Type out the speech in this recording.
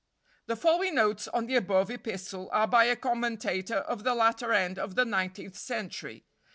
The following notes on the above epistle are by a commentator of the latter end of the nineteenth century.